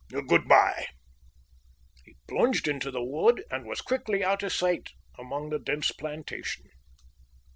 Good bye." He plunged into the wood and was quickly out of sight among the dense plantation.